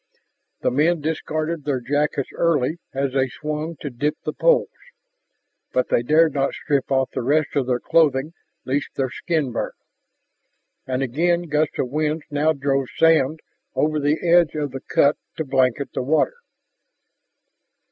The men discarded their jackets early as they swung to dip the poles. But they dared not strip off the rest of their clothing lest their skin burn. And again gusts of wind now drove sand over the edge of the cut to blanket the water.